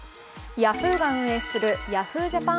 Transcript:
ヤフーが運営するＹａｈｏｏ！ＪＡＰＡＮ